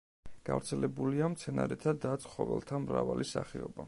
გავრცელებულია მცენარეთა და ცხოველთა მრავალი სახეობა.